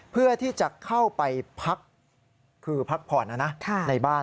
เพื่อที่จะเข้าไปพักคือพักผ่อนนะนะในบ้าน